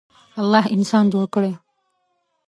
الله انسان جوړ کړی.